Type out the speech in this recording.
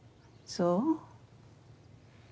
そう。